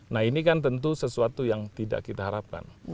nah ini kan tentu sesuatu yang tidak kita harapkan